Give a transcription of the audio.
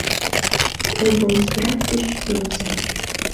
Облздрав деч йодса.